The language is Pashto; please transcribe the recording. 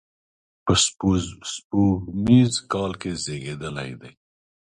په سپوږمیز کال کې زیږېدلی دی.